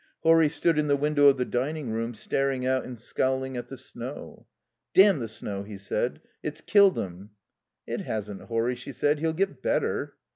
Horry stood in the window of the dining room, staring out and scowling at the snow. "Damn the snow!" he said. "It's killed him." "It hasn't, Horry," she said; "he'll get better."